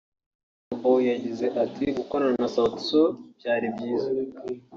Burna Boy yagize ati “Gukorana na Sauti Sol byari byiza